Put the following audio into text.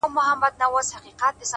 هره پوښتنه د حقیقت لور ته ګام دی